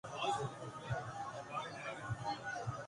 major general Zaheer Ahmed Khan Pakistan steel کے C E O تعینات